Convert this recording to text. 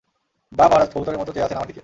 বাহ মহারাজ, কবুতরের মতো চেয়ে আছেন আমার দিকে।